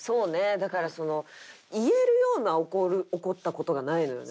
だからその言えるような怒った事がないのよね。